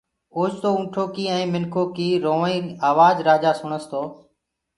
اوچتو اُنٚٺو ڪيٚ ائيٚنٚ مِنکو ڪيٚ رُووآئيٚ آواج رآجآ سُڻس تو